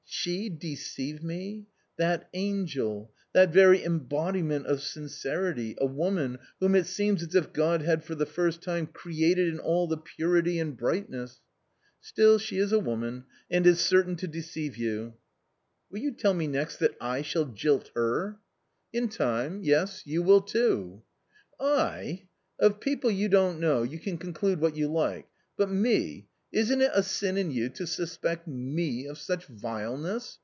" She deceive me ! That angel, that very embodiment of sincerity, a woman, whom it seems as if God had for the first time created in all the purity and brightness "^" Still she is a woman, and is certain to deceive you." 1 ' Will you tell me next that / shall j ilt her ?" A COMMON STORY 79 " In time — yes, you will too." " I ! of people you don't know you can conclude what you like ; but me —isn't it a sin in you to suspect me of such vileness